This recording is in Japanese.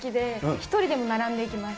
１人でも並んでいきます。